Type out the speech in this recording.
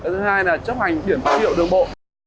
thứ hai là chấp hành biển phát hiệu đường bộ